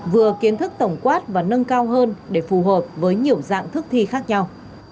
vừa kiến thức tổng quát và nâng cao hơn để phù hợp với nhiều dạng thức thi khác nhau